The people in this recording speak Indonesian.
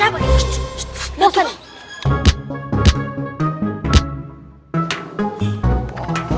beda pak gita